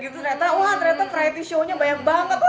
ternyata variety shownya banyak banget